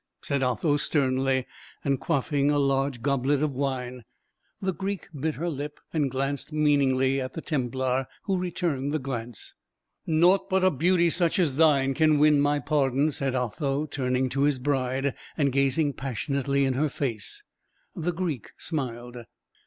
said Otho, sternly, and quaffing a large goblet of wine. The Greek bit her lip, and glanced meaningly at the Templar, who returned the glance. "Nought but a beauty such as thine can win my pardon," said Otho, turning to his bride, and gazing passionately in her face. The Greek smiled.